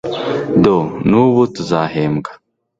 do n'ubu tuzahembwa